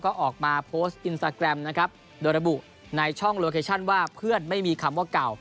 ก็ออกมาโพสต์อินสตาแกรมนะครับโดยระบุในช่องโลเคชั่นว่าเพื่อนไม่มีคำว่าเก่า